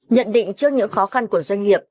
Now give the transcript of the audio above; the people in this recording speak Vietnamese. nhận định trước những khó khăn của doanh nghiệp